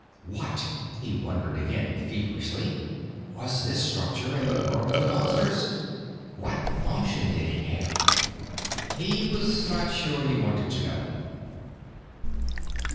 What, he wondered again feverishly, was this structure in the world of the Monsters? What function did it have? He was not sure he wanted to know.